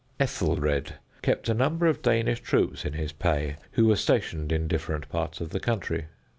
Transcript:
Ethelred kept a number of Danish troops in his pay, who were stationed in different parts of the country.